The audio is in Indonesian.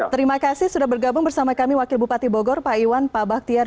terima kasih sudah bergabung bersama kami wakil bupati bogor pak iwan pak baktian